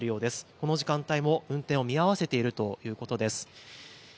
この時間帯も運転を見合わせているということです。